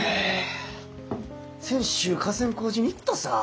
先週河川工事に行ったさ。